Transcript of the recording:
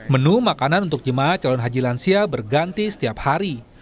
menu makanan untuk jemaah calon haji lansia berganti setiap hari